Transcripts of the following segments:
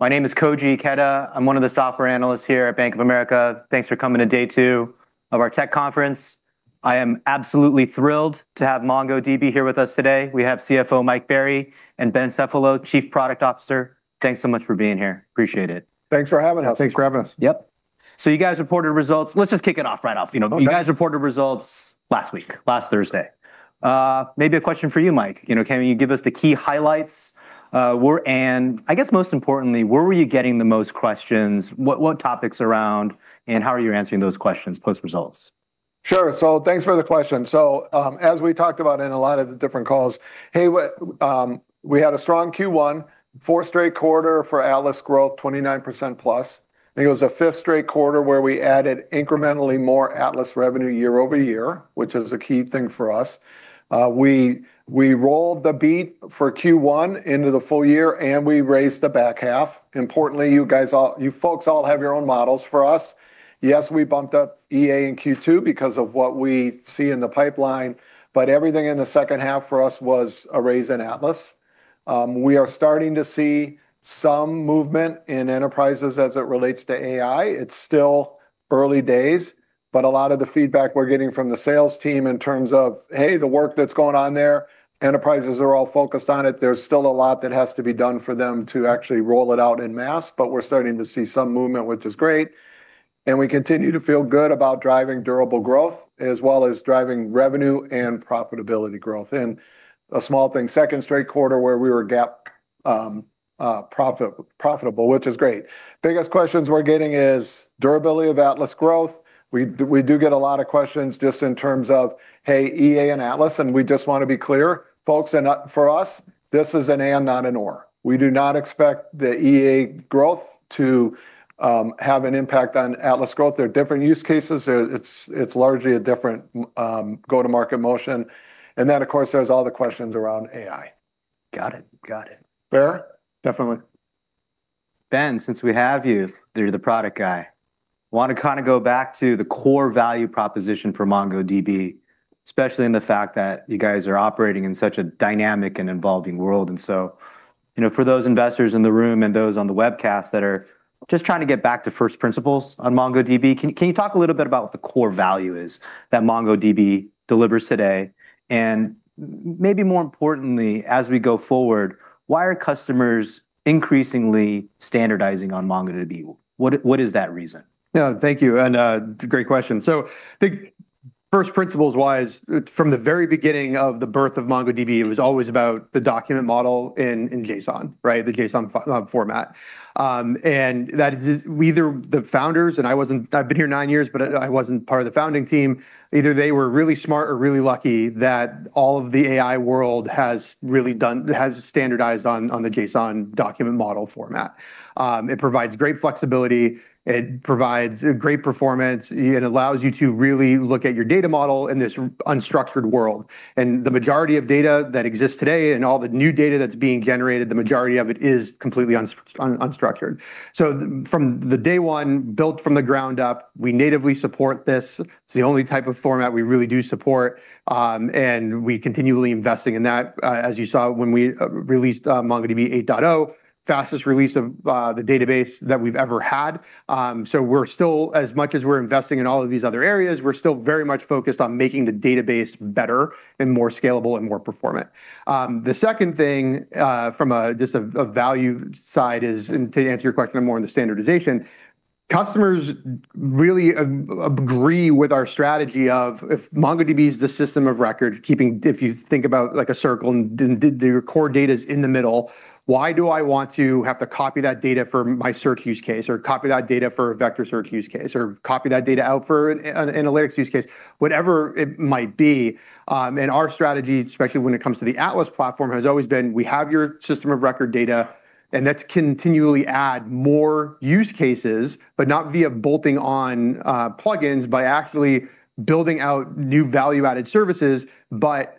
My name is Koji Ikeda. I'm one of the Software Analysts here at Bank of America. Thanks for coming to day two of our tech conference. I am absolutely thrilled to have MongoDB here with us today. We have CFO Mike Berry and Ben Cefalo, Chief Product Officer. Thanks so much for being here. Appreciate it. Thanks for having us. Thanks for having us. Yep. You guys reported results. Let's just kick it off right off. Okay. You guys reported results last week, last Thursday. Maybe a question for you, Mike. Can you give us the key highlights? I guess most importantly, where were you getting the most questions? What topics around and how are you answering those questions post-results? Sure. Thanks for the question. As we talked about in a lot of the different calls, hey, we had a strong Q1, fourth straight quarter for MongoDB Atlas growth, 29%+. I think it was the fifth straight quarter where we added incrementally more MongoDB Atlas revenue year-over-year, which is a key thing for us. We rolled the beat for Q1 into the full year, and we raised the back half. Importantly, you folks all have your own models for us. Yes, we bumped up MongoDB Enterprise Advanced and Q2 because of what we see in the pipeline, but everything in the second half for us was a raise in MongoDB Atlas. We are starting to see some movement in enterprises as it relates to AI. It's still early days, but a lot of the feedback we're getting from the sales team in terms of, hey, the work that's going on there, enterprises are all focused on it. There's still a lot that has to be done for them to actually roll it out en masse, but we're starting to see some movement, which is great, and we continue to feel good about driving durable growth as well as driving revenue and profitability growth. A small thing, second straight quarter where we were GAAP profitable, which is great. Biggest questions we're getting is durability of Atlas growth. We do get a lot of questions just in terms of, hey, EA and Atlas, and we just want to be clear, folks, and for us, this is an and not an or. We do not expect the EA growth to have an impact on Atlas growth. They're different use cases. It's largely a different go-to-market motion. Of course, there's all the questions around AI. Got it. Ben? Definitely. Ben, since we have you're the product guy. Want to kind of go back to the core value proposition for MongoDB, especially in the fact that you guys are operating in such a dynamic and evolving world. For those investors in the room and those on the webcast that are just trying to get back to first principles on MongoDB, can you talk a little bit about what the core value is that MongoDB delivers today? Maybe more importantly, as we go forward, why are customers increasingly standardizing on MongoDB? What is that reason? Yeah, thank you. It's a great question. The first principles-wise, from the very beginning of the birth of MongoDB, it was always about the document model in JSON, right, the JSON format. Either the founders, and I've been here nine years, but I wasn't part of the founding team. Either they were really smart or really lucky that all of the AI world has standardized on the JSON document model format. It provides great flexibility, it provides great performance. It allows you to really look at your data model in this unstructured world. The majority of data that exists today and all the new data that's being generated, the majority of it is completely unstructured. From the day one, built from the ground up, we natively support this. It's the only type of format we really do support. We continually investing in that, as you saw when we released MongoDB 8.0, fastest release of the database that we've ever had. As much as we're investing in all of these other areas, we're still very much focused on making the database better and more scalable and more performant. The second thing, from just a value side is, and to answer your question more on the standardization, customers really agree with our strategy of if MongoDB is the system of record keeping, if you think about like a circle and the core data's in the middle, why do I want to have to copy that data for my search use case? Copy that data for a vector search use case? Copy that data out for an analytics use case? Whatever it might be. Our strategy, especially when it comes to the Atlas platform, has always been we have your system of record data, and let's continually add more use cases, but not via bolting on plugins by actually building out new value-added services, but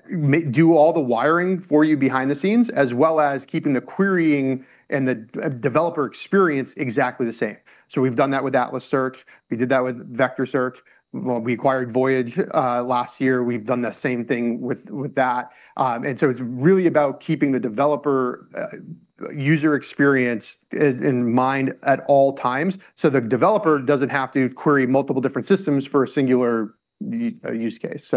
do all the wiring for you behind the scenes, as well as keeping the querying and the developer experience exactly the same. We've done that with Atlas Search. We did that with Vector Search. When we acquired Voyage last year, we've done the same thing with that. It's really about keeping the developer-user experience in mind at all times, so the developer doesn't have to query multiple different systems for a singular use case.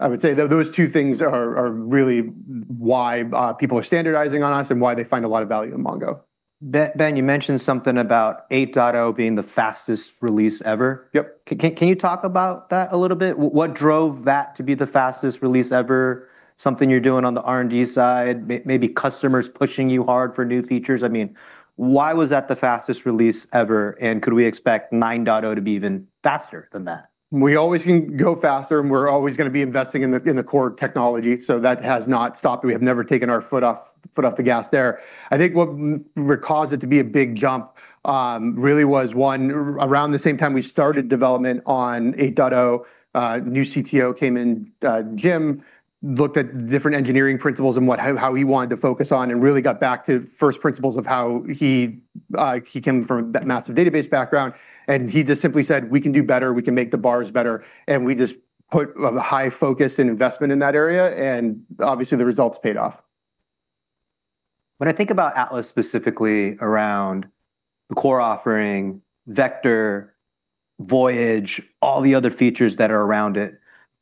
I would say those two things are really why people are standardizing on us and why they find a lot of value in Mongo. Ben, you mentioned something about 8.0 being the fastest release ever. Yep. Can you talk about that a little bit? What drove that to be the fastest release ever? Something you're doing on the R&D side, maybe customers pushing you hard for new features. I mean, why was that the fastest release ever, and could we expect 9.0 to be even faster than that? We always can go faster, and we're always going to be investing in the core technology, so that has not stopped. We have never taken our foot off the gas there. I think what caused it to be a big jump, really was one, around the same time we started development on 8.0, new CTO came in. Jim looked at different engineering principles and how he wanted to focus on and really got back to first principles of how he came from that massive database background, and he just simply said, "We can do better. We can make the bars better." We just put a high focus and investment in that area, and obviously the results paid off. When I think about Atlas specifically around the core offering, Vector, Voyage, all the other features that are around it,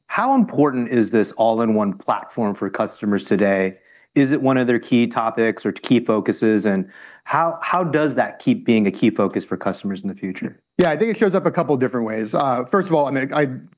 how important is this all-in-one platform for customers today? Is it one of their key topics or key focuses, and how does that keep being a key focus for customers in the future? I think it shows up a couple different ways. First of all,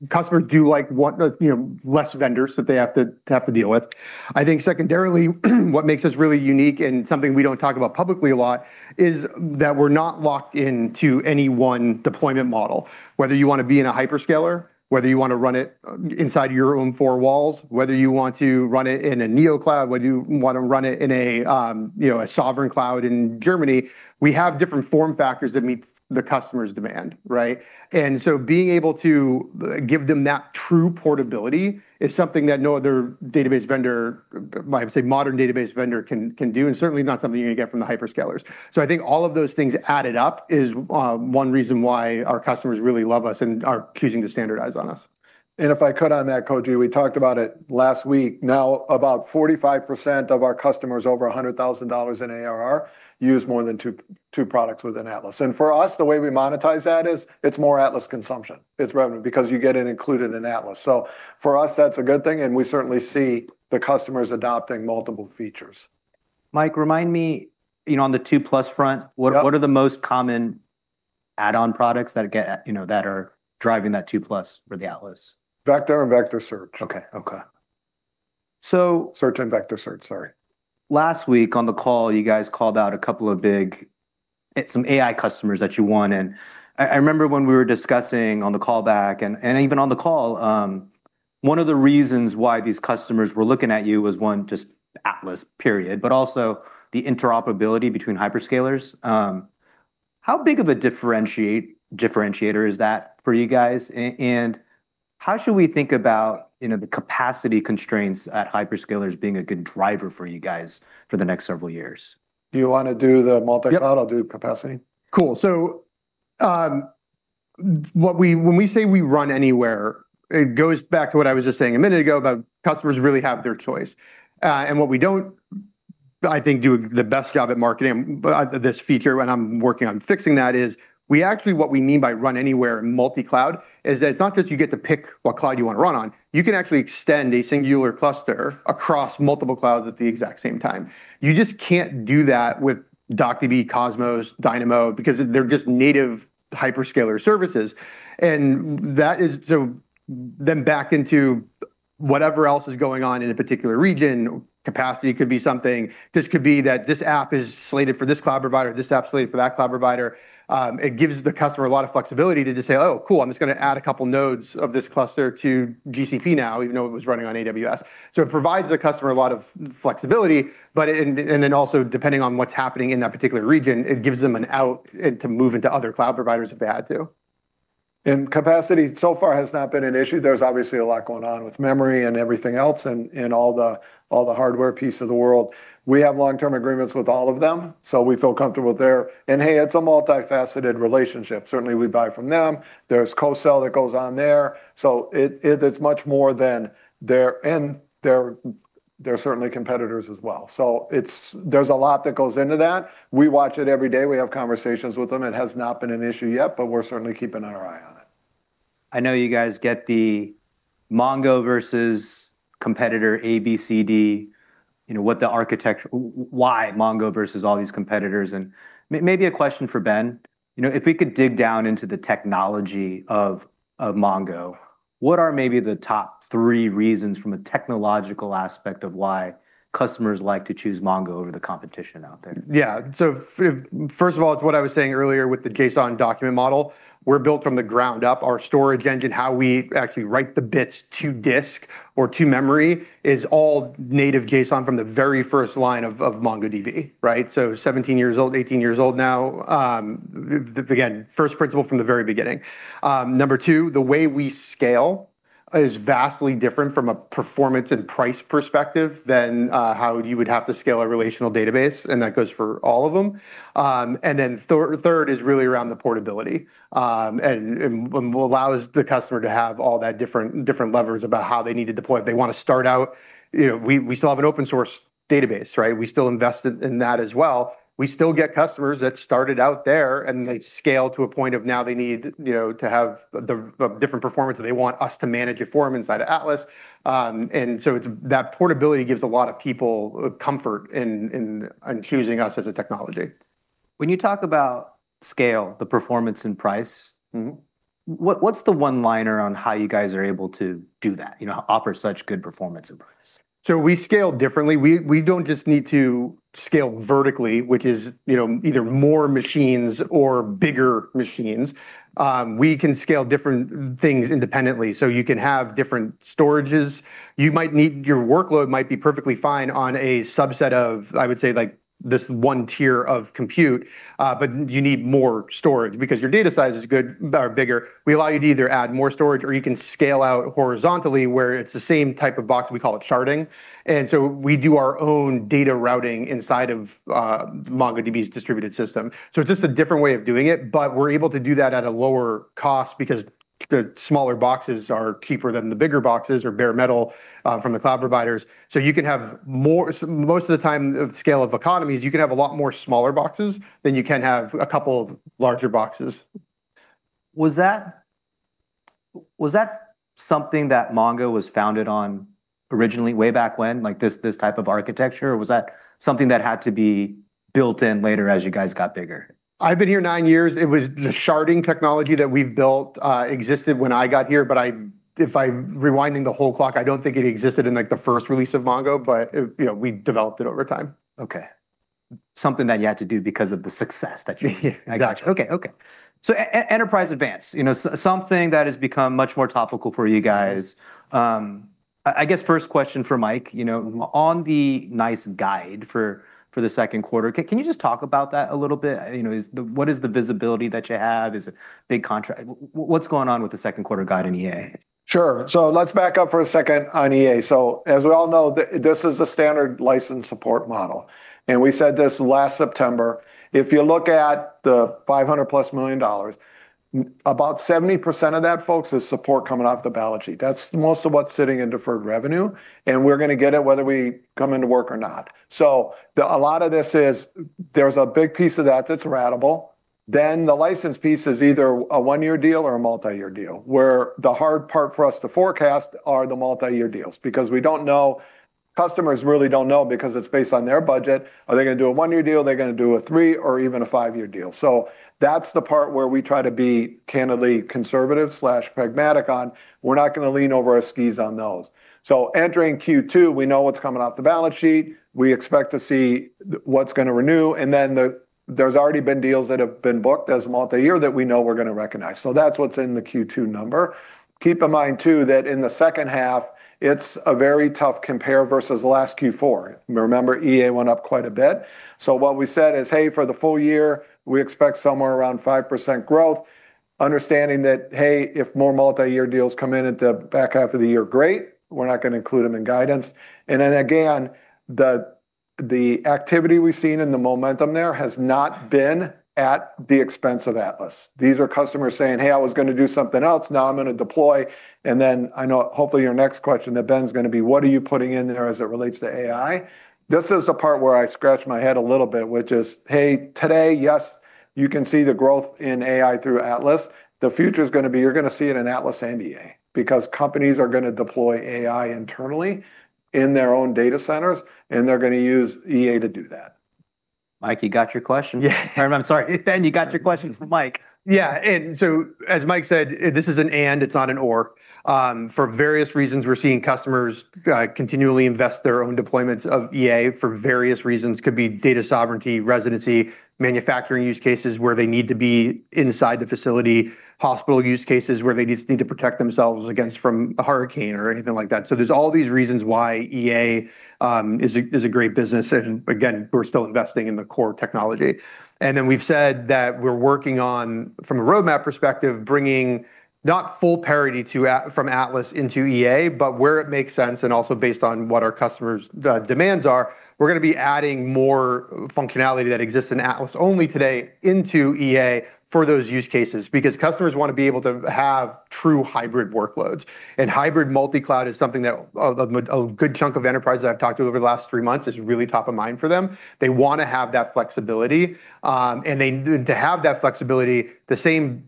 customers do want less vendors that they have to deal with. I think secondarily, what makes us really unique, and something we don't talk about publicly a lot, is that we're not locked into any one deployment model. Whether you want to be in a hyperscaler, whether you want to run it inside your own four walls, whether you want to run it in a Neo-cloud, whether you want to run it in a sovereign cloud in Germany, we have different form factors that meet the customer's demand, right? Being able to give them that true portability is something that no other database vendor, I would say modern database vendor, can do and certainly not something you're going to get from the hyperscalers. I think all of those things added up is one reason why our customers really love us and are choosing to standardize on us. If I could on that, Koji, we talked about it last week. Now, about 45% of our customers over $100,000 in ARR use more than two products within Atlas. For us, the way we monetize that is it's more Atlas consumption. It's revenue because you get it included in Atlas. For us, that's a good thing, and we certainly see the customers adopting multiple features. Mike, remind me, on the two-plus front. Yeah What are the most common add-on products that are driving that two plus for the Atlas? Vector and Vector Search. Okay. Okay. Search and Vector Search, sorry. Last week on the call, you guys called out a couple of big, some AI customers that you won, and I remember when we were discussing on the callback and even on the call, one of the reasons why these customers were looking at you was, one, just Atlas, period, but also the interoperability between hyperscalers. How big of a differentiator is that for you guys? How should we think about the capacity constraints at hyperscalers being a good driver for you guys for the next several years? Do you want to do the multi-cloud? Yeah. I'll do capacity. When we say we run anywhere, it goes back to what I was just saying a minute ago about customers really have their choice. What we don't, I think, do the best job at marketing this feature, and I'm working on fixing that, is actually what we mean by run anywhere and multi-cloud is that it's not just you get to pick what cloud you want to run on, you can actually extend a singular cluster across multiple clouds at the exact same time. You just can't do that with DocDB, Cosmos, Dynamo, because they're just native hyperscaler services. Back into whatever else is going on in a particular region, capacity could be something. This could be that this app is slated for this cloud provider, this app's slated for that cloud provider. It gives the customer a lot of flexibility to just say, "Oh, cool, I'm just going to add a couple nodes of this cluster to GCP now," even though it was running on AWS. It provides the customer a lot of flexibility. Depending on what's happening in that particular region, it gives them an out to move into other cloud providers if they had to. Capacity so far has not been an issue. There's obviously a lot going on with memory and everything else in all the hardware piece of the world. We have long-term agreements with all of them, so we feel comfortable there. Hey, it's a multifaceted relationship. Certainly, we buy from them. There's co-sell that goes on there. They're certainly competitors as well. There's a lot that goes into that. We watch it every day. We have conversations with them. It has not been an issue yet, but we're certainly keeping our eye on it. I know you guys get the Mongo versus competitor A, B, C, D. Why Mongo versus all these competitors? Maybe a question for Ben. If we could dig down into the technology of Mongo, what are maybe the top three reasons from a technological aspect of why customers like to choose Mongo over the competition out there? First of all, it's what I was saying earlier with the JSON document model. We're built from the ground up. Our storage engine, how we actually write the bits to disk or to memory is all native JSON from the very first line of MongoDB, right? 17 years old, 18 years old now. Again, first principle from the very beginning. Number two, the way we scale is vastly different from a performance and price perspective than how you would have to scale a relational database, and that goes for all of them. Third is really around the portability, and allows the customer to have all that different levers about how they need to deploy. If they want to start out, we still have an open source database, right? We still invested in that as well. We still get customers that started out there, and they scaled to a point of now they need to have the different performance that they want us to manage it for them inside of Atlas. That portability gives a lot of people comfort in choosing us as a technology. When you talk about scale, the performance, and price. What's the one-liner on how you guys are able to do that, offer such good performance and price? We scale differently. We don't just need to scale vertically, which is either more machines or bigger machines. We can scale different things independently. You can have different storages. Your workload might be perfectly fine on a subset of, I would say, this tier 1 of compute, but you need more storage because your data size is bigger. We allow you to either add more storage or you can scale out horizontally, where it's the same type of box. We call it sharding. We do our own data routing inside of MongoDB's distributed system. It's just a different way of doing it, but we're able to do that at a lower cost because the smaller boxes are cheaper than the bigger boxes or bare metal from the cloud provider. Most of the time, scale of economies, you can have a lot more smaller boxes than you can have a couple of larger boxes. Was that something that Mongo was founded on originally, way back when, this type of architecture, or was that something that had to be built in later as you guys got bigger? I've been here nine years. It was the sharding technology that we've built existed when I got here, but if I'm rewinding the whole clock, I don't think it existed in the first release of Mongo, but we developed it over time. Okay. Something that you had to do because of the success that. Yeah. Exactly. Enterprise Advanced, something that has become much more topical for you guys. I guess first question for Mike, on the nice guide for the second quarter, can you just talk about that a little bit? What is the visibility that you have? Is it big contract? What's going on with the second quarter guide in EA? Sure. Let's back up for a second on EA. As we all know, this is a standard license support model, and we said this last September. If you look at the $500+ million, about 70% of that, folks, is support coming off the balance sheet. That's most of what's sitting in deferred revenue, and we're going to get it whether we come into work or not. There's a big piece of that that's ratable. The license piece is either a one-year deal or a multi-year deal, where the hard part for us to forecast are the multi-year deals. Customers really don't know, because it's based on their budget. Are they going to do a one-year deal? Are they going to do a three or even a five-year deal? That's the part where we try to be candidly conservative/pragmatic on. We're not going to lean over our skis on those. Entering Q2, we know what's coming off the balance sheet. We expect to see what's going to renew, and then there's already been deals that have been booked as multi-year that we know we're going to recognize. That's what's in the Q2 number. Keep in mind, too, that in the second half, it's a very tough compare versus last Q4. Remember, EA went up quite a bit. What we said is, hey, for the full year, we expect somewhere around 5% growth, understanding that, hey, if more multi-year deals come in at the back half of the year, great. We're not going to include them in guidance. Again, the activity we've seen and the momentum there has not been at the expense of Atlas. These are customers saying, "Hey, I was going to do something else. Now I'm going to deploy." I know hopefully your next question to Ben's going to be what are you putting in there as it relates to AI? This is the part where I scratch my head a little bit, which is, hey, today, yes, you can see the growth in AI through Atlas. The future's going to be you're going to see it in Atlas and EA. Companies are going to deploy AI internally in their own data centers, and they're going to use EA to do that. Mike, you got your question. Yeah. I'm sorry, Ben, you got your question from Mike. Yeah. As Mike said, this is an and, it's not an or. For various reasons, we're seeing customers continually invest their own deployments of EA for various reasons. Could be data sovereignty, residency, manufacturing use cases where they need to be inside the facility, hospital use cases where they just need to protect themselves against from a hurricane or anything like that. There's all these reasons why EA is a great business, and again, we're still investing in the core technology. We've said that we're working on, from a roadmap perspective, bringing not full parity from Atlas into EA, but where it makes sense and also based on what our customers' demands are, we're going to be adding more functionality that exists in Atlas only today into EA for those use cases. Because customers want to be able to have true hybrid workloads. Hybrid multi-cloud is something that a good chunk of enterprises I've talked to over the last three months is really top of mind for them. They want to have that flexibility. To have that flexibility, the same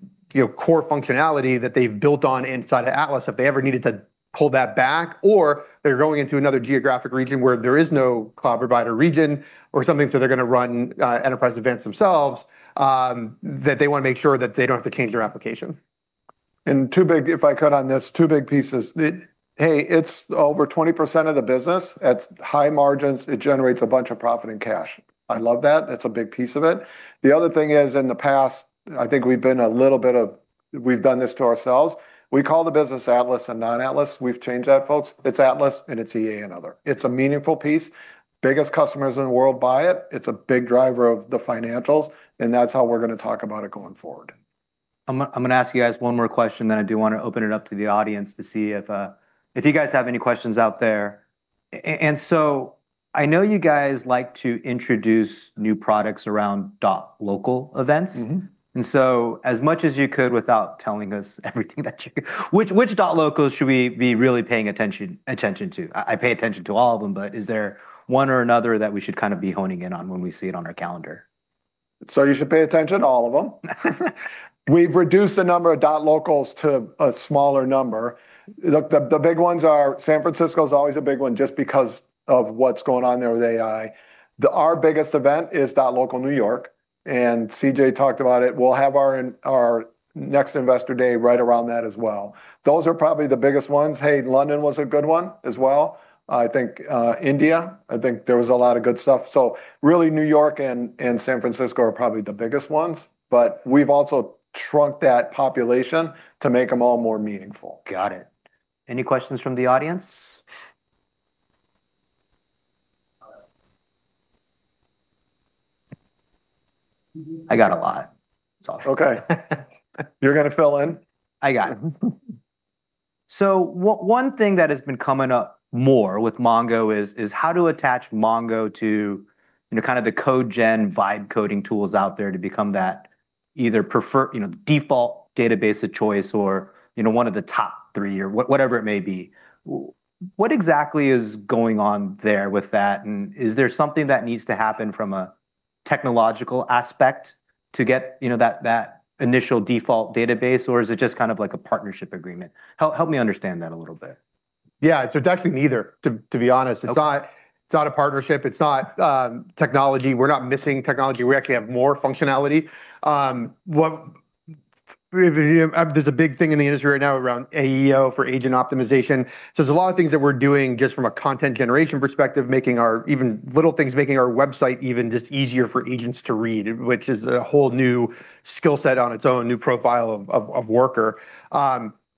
core functionality that they've built on inside of Atlas, if they ever needed to pull that back, or they're going into another geographic region where there is no cloud provider region or something, so they're going to run Enterprise Advanced themselves, that they want to make sure that they don't have to change their application. If I could on this, two big pieces. Hey, it's over 20% of the business, that's high margins. It generates a bunch of profit and cash. I love that. That's a big piece of it. The other thing is, in the past, I think we've done this to ourselves. We call the business Atlas and non-Atlas. We've changed that, folks. It's Atlas, and it's EA and other. It's a meaningful piece. Biggest customers in the world buy it. It's a big driver of the financials, and that's how we're going to talk about it going forward. I'm going to ask you guys one more question, then I do want to open it up to the audience to see if you guys have any questions out there. I know you guys like to introduce new products around .local events. As much as you could without telling us everything. Which MongoDB.locals should we be really paying attention to? I pay attention to all of them, but is there one or another that we should be honing in on when we see it on our calendar? You should pay attention to all of them. We've reduced the number of .locals to a smaller number. The big ones are San Francisco's always a big one just because of what's going on there with AI. Our biggest event is .local New York, and CJ talked about it. We'll have our next investor day right around that as well. Those are probably the biggest ones. London was a good one as well. I think India, I think there was a lot of good stuff. Really, New York and San Francisco are probably the biggest ones, but we've also shrunk that population to make them all more meaningful. Got it. Any questions from the audience? I got a lot. It's all good. Okay. You're going to fill in? I got it. One thing that has been coming up more with Mongo is how to attach Mongo to the code gen vibe coding tools out there to become that either default database of choice or one of the top three or whatever it may be. What exactly is going on there with that? Is there something that needs to happen from a technological aspect to get that initial default database, or is it just like a partnership agreement? Help me understand that a little bit. Yeah. It's actually neither, to be honest. Okay. It's not a partnership, it's not technology. We're not missing technology. We actually have more functionality. There's a big thing in the industry right now around AEO for agent optimization. There's a lot of things that we're doing just from a content generation perspective, even little things, making our website even just easier for agents to read, which is a whole new skill set on its own, new profile of worker.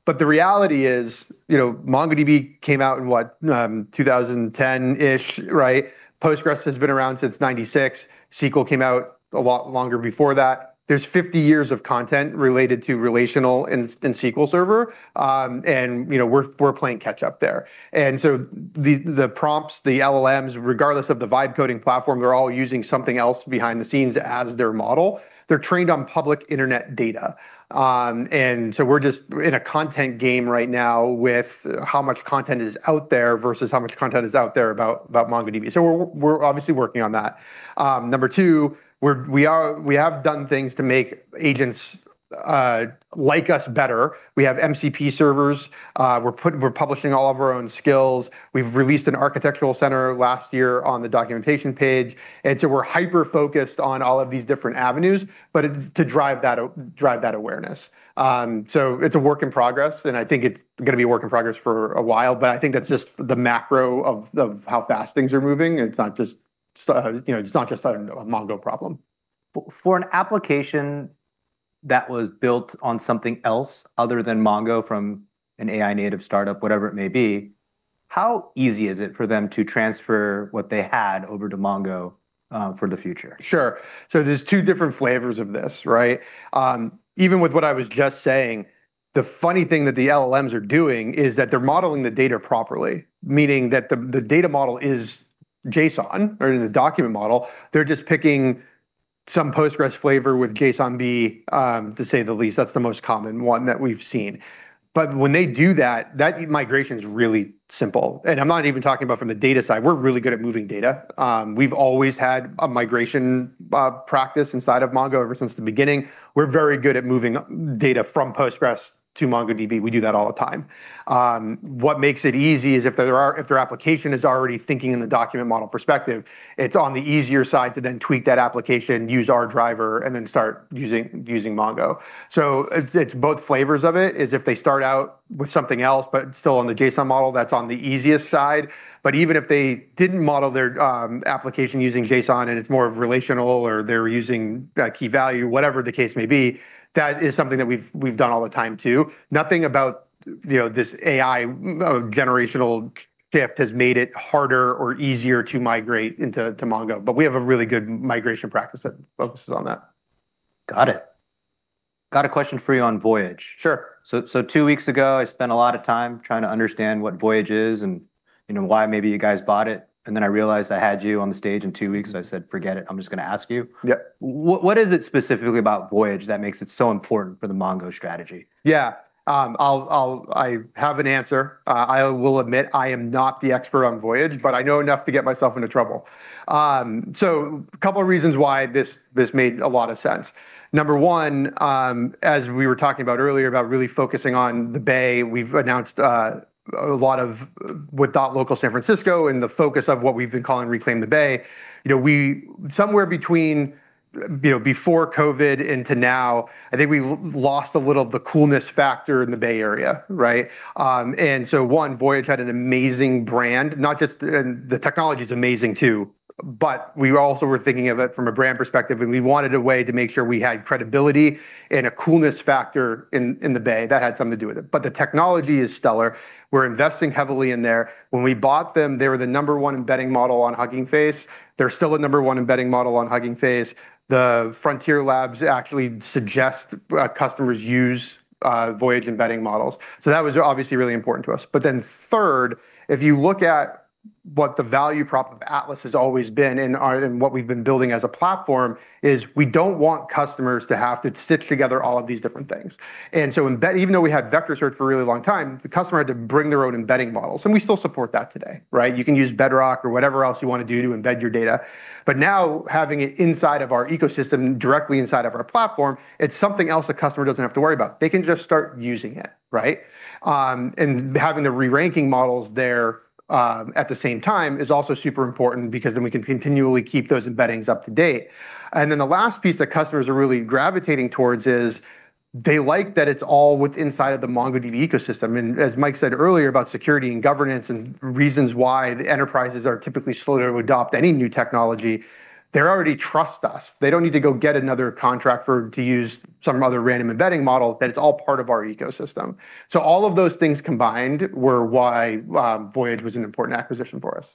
The reality is MongoDB came out in, what, 2010-ish, right? PostgreSQL has been around since 1996. SQL came out a lot longer before that. There's 50 years of content related to relational in SQL Server. We're playing catch up there. The LLMs, regardless of the vibe coding platform, they're all using something else behind the scenes as their model. They're trained on public internet data. We're just in a content game right now with how much content is out there versus how much content is out there about MongoDB. We're obviously working on that. Number 2, we have done things to make agents like us better. We have MCP servers. We're publishing all of our own skills. We've released an architectural center last year on the documentation page, and so we're hyper-focused on all of these different avenues, but to drive that awareness. It's a work in progress, and I think it's going to be a work in progress for a while, but I think that's just the macro of how fast things are moving. It's not just a Mongo problem. For an application that was built on something else other than Mongo from an AI native startup, whatever it may be, how easy is it for them to transfer what they had over to Mongo for the future? There's two different flavors of this, right? Even with what I was just saying, the funny thing that the LLMs are doing is that they're modeling the data properly, meaning that the data model is JSON or the document model. They're just picking some PostgreSQL flavor with JSONB, to say the least. That's the most common one that we've seen. When they do that migration's really simple, and I'm not even talking about from the data side. We're really good at moving data. We've always had a migration practice inside of Mongo ever since the beginning. We're very good at moving data from PostgreSQL to MongoDB. We do that all the time. What makes it easy is if their application is already thinking in the document model perspective, it's on the easier side to then tweak that application, use our driver, and then start using Mongo. It's both flavors of it, is if they start out with something else but still on the JSON model, that's on the easiest side. Even if they didn't model their application using JSON and it's more of relational or they're using key value, whatever the case may be, that is something that we've done all the time, too. Nothing about this AI generational shift has made it harder or easier to migrate into Mongo. We have a really good migration practice that focuses on that. Got it. Got a question for you on Voyage. Sure. Two weeks ago, I spent a lot of time trying to understand what Voyage is and why maybe you guys bought it. I realized I had you on the stage in two weeks, and I said, "Forget it. I'm just going to ask you. Yep. What is it specifically about Voyage that makes it so important for the Mongo strategy? Yeah. I have an answer. I will admit I am not the expert on Voyage, but I know enough to get myself into trouble. A couple of reasons why this made a lot of sense. Number one, as we were talking about earlier, about really focusing on the Bay, we've announced a lot of with MongoDB.local San Francisco and the focus of what we've been calling Reclaim the Bay. Somewhere between before COVID into now, I think we lost a little of the coolness factor in the Bay Area, right? One, Voyage had an amazing brand. The technology's amazing too. We also were thinking of it from a brand perspective, and we wanted a way to make sure we had credibility and a coolness factor in the Bay. That had something to do with it, but the technology is stellar. We're investing heavily in there. When we bought them, they were the number one embedding model on Hugging Face. They're still a number one embedding model on Hugging Face. The Frontier labs actually suggest customers use Voyage embedding models. That was obviously really important to us. Third, if you look at what the value prop of Atlas has always been and what we've been building as a platform is we don't want customers to have to stitch together all of these different things. Even though we had Vector Search for a really long time, the customer had to bring their own embedding models, and we still support that today, right? You can use Amazon Bedrock or whatever else you want to do to embed your data. Now having it inside of our ecosystem, directly inside of our platform, it's something else the customer doesn't have to worry about. They can just start using it, right? Having the re-ranking models there, at the same time is also super important because then we can continually keep those embeddings up to date. The last piece that customers are really gravitating towards is they like that it's all with inside of the MongoDB ecosystem. As Mike said earlier about security and governance and reasons why the enterprises are typically slower to adopt any new technology, they already trust us. They don't need to go get another contract to use some other random embedding model, that it's all part of our ecosystem. All of those things combined were why Voyage was an important acquisition for us.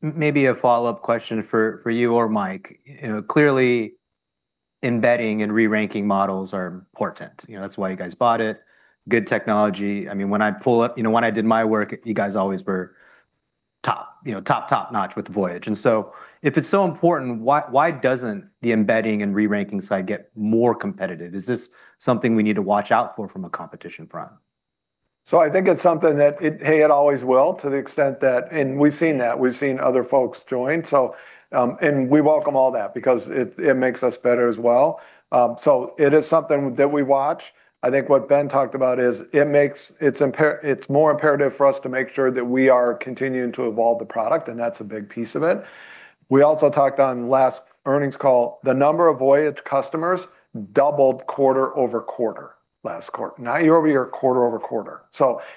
Maybe a follow-up question for you or Mike. Clearly embedding and re-ranking models are important. That's why you guys bought it. Good technology. When I did my work, you guys always were top notch with Voyage. If it's so important, why doesn't the embedding and re-ranking side get more competitive? Is this something we need to watch out for from a competition front? I think it's something that, hey, it always will. We've seen that. We've seen other folks join. We welcome all that because it makes us better as well. It is something that we watch. I think what Ben talked about is, it's more imperative for us to make sure that we are continuing to evolve the product, and that's a big piece of it. We also talked on last earnings call. The number of Voyage customers doubled quarter-over-quarter last quarter. Now year-over-year, quarter-over-quarter.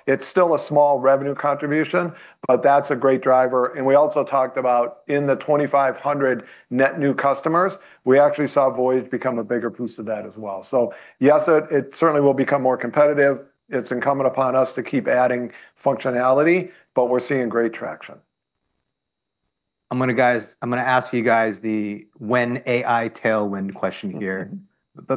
It's still a small revenue contribution, but that's a great driver. We also talked about in the 2,500 net new customers, we actually saw Voyage become a bigger piece of that as well. Yes, it certainly will become more competitive. It's incumbent upon us to keep adding functionality. We're seeing great traction. I'm going to ask you guys the when AI tailwind question here.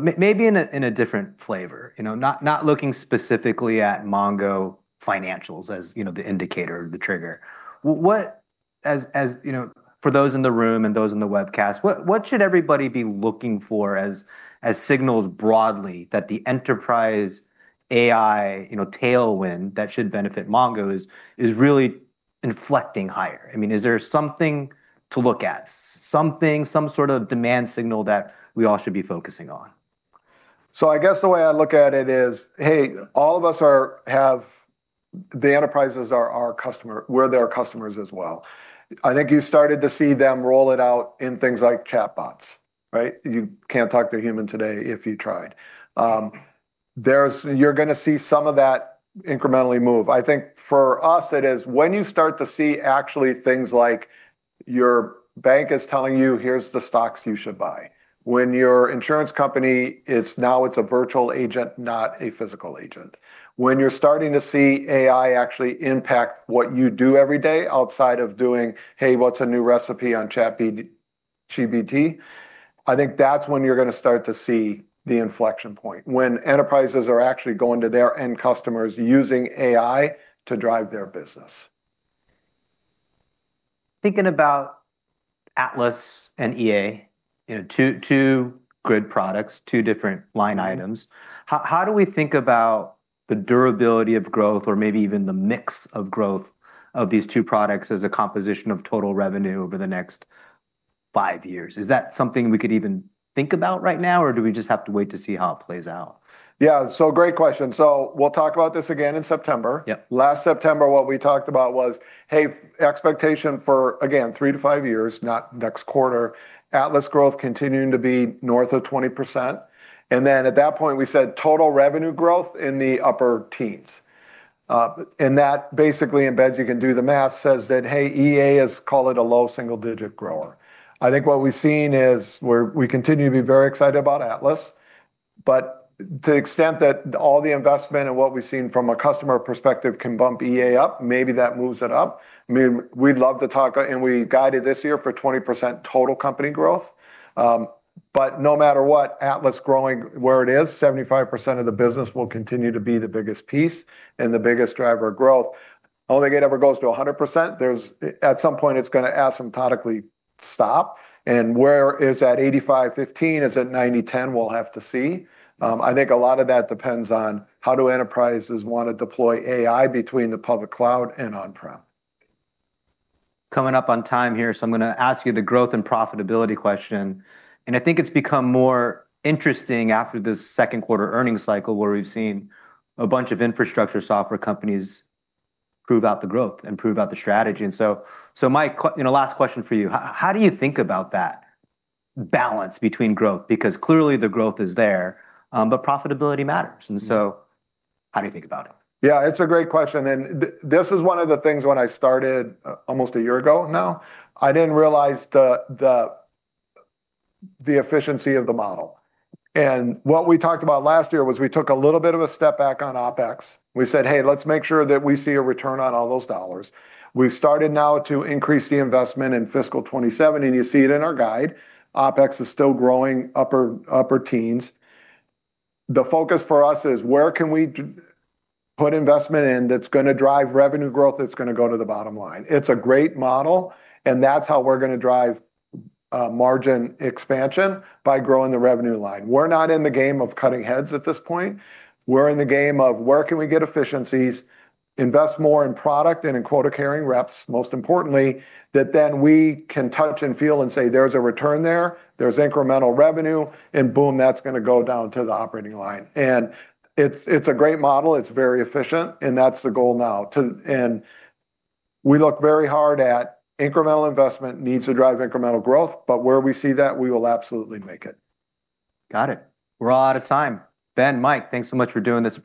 Maybe in a different flavor. Not looking specifically at MongoDB financials as the indicator or the trigger. For those in the room and those in the webcast, what should everybody be looking for as signals broadly that the enterprise AI tailwind that should benefit MongoDB is really inflecting higher? Is there something to look at? Some sort of demand signal that we all should be focusing on? I guess the way I look at it is, hey, all of us, the enterprises, we're their customers as well. I think you started to see them roll it out in things like chatbots, right? You can't talk to a human today if you tried. You're going to see some of that incrementally move. I think for us it is when you start to see actually things like your bank is telling you, "Here's the stocks you should buy." When your insurance company, it's now a virtual agent, not a physical agent. When you're starting to see AI actually impact what you do every day outside of doing, "Hey, what's a new recipe?" on ChatGPT. I think that's when you're going to start to see the inflection point, when enterprises are actually going to their end customers using AI to drive their business. Thinking about Atlas and EA, two core products, two different line items. How do we think about the durability of growth or maybe even the mix of growth of these two products as a composition of total revenue over the next five years? Is that something we could even think about right now, or do we just have to wait to see how it plays out? Yeah. Great question. We'll talk about this again in September. Yeah. Last September, what we talked about was, hey, expectation for, again, three to five years, not next quarter, Atlas growth continuing to be north of 20%. Then at that point, we said total revenue growth in the upper teens. That basically embeds, you can do the math, says that, hey, EA is, call it a low single-digit grower. I think what we've seen is we continue to be very excited about Atlas. To the extent that all the investment and what we've seen from a customer perspective can bump EA up, maybe that moves it up. We'd love to talk, and we guided this year for 20% total company growth. No matter what, Atlas growing where it is, 75% of the business will continue to be the biggest piece and the biggest driver of growth. I don't think it ever goes to 100%. At some point, it's going to asymptotically stop. Where is that 85/15? Is it 90/10? We'll have to see. I think a lot of that depends on how do enterprises want to deploy AI between the public cloud and on-prem. Coming up on time here, I'm going to ask you the growth and profitability question. I think it's become more interesting after this second quarter earnings cycle, where we've seen a bunch of infrastructure software companies prove out the growth and prove out the strategy. Mike, last question for you. How do you think about that balance between growth? Because clearly the growth is there, but profitability matters. How do you think about it? Yeah, it's a great question. This is one of the things when I started, almost a year ago now. I didn't realize the efficiency of the model. What we talked about last year was we took a little bit of a step back on OpEx. We said, "Hey, let's make sure that we see a return on all those dollars." We've started now to increase the investment in fiscal 2027, and you see it in our guide. OpEx is still growing upper teens. The focus for us is where can we put investment in that's going to drive revenue growth, that's going to go to the bottom line. It's a great model, and that's how we're going to drive margin expansion by growing the revenue line. We're not in the game of cutting heads at this point. We're in the game of where can we get efficiencies, invest more in product and in quota-carrying reps, most importantly, that then we can touch and feel and say, "There's a return there. There's incremental revenue, and boom, that's going to go down to the operating line." It's a great model. It's very efficient, and that's the goal now. We look very hard at incremental investment needs to drive incremental growth, but where we see that, we will absolutely make it. Got it. We're all out of time. Ben, Mike, thanks so much for doing this.